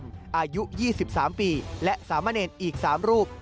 อายุ๒๓ปีและสามเณรอีก๓รูป